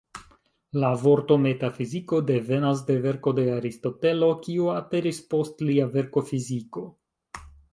La vorto "metafiziko" devenas de verko de Aristotelo, kiu aperis "post" lia verko "fiziko".